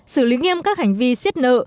xử lý nghiêm các hành vi xiết nợ